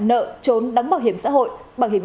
nợ trốn đắng bảo hiểm xã hội bảo hiểm